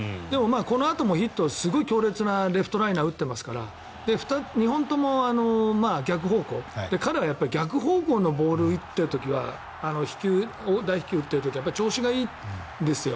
このあとも強烈なレフトライナー打ってますから２本とも逆方向で彼は逆方向のボールを打っている時は大飛球を打ってる時は調子がいいんですよ。